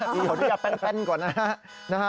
ขออนุญาตแป้นก่อนนะฮะ